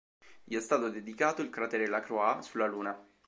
Gli è stato dedicato il cratere Lacroix sulla Luna.